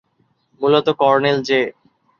মূলত colonel J.